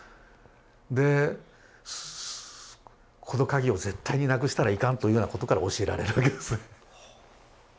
でこの鍵を絶対になくしたらいかんというようなことから教えられるわけですね。